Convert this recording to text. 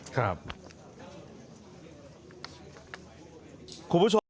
คุณผู้ชม